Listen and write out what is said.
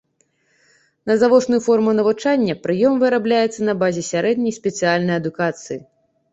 На завочную форму навучання прыём вырабляецца на базе сярэдняй спецыяльнай адукацыі.